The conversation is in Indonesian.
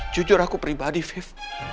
jujur aku pribadi viv